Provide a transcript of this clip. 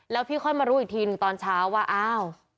แล้วพี่ค่อยมารู้อีกทีหนึ่งตอนเช้าว่าอ้าว